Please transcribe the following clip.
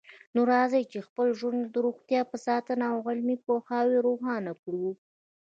نو راځئ چې خپل ژوند د روغتیا په ساتنه او علمي پوهاوي روښانه کړو